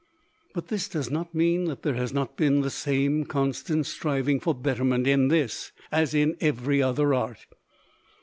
But this does not mean that there has not been the same constant striving for betterment in this as in every other art.